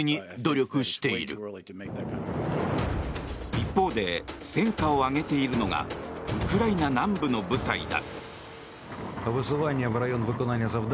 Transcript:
一方で戦果を上げているのがウクライナ南部の部隊だ。